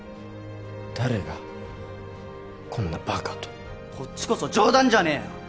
誰がこんなバカとこっちこそ冗談じゃねえよ